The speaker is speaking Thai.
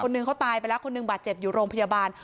นึงเขาตายไปแล้วคนหนึ่งบาดเจ็บอยู่โรงพยาบาล